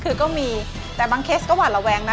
คือก็มีแต่บางเคสก็หวาดระแวงนะ